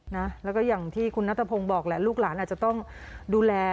นะแล้วก็อย่างที่คุณนัทพงศ์บอกแหละลูกหลานอาจจะต้องดูแล